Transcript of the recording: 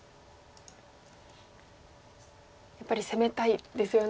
やっぱり攻めたいですよね。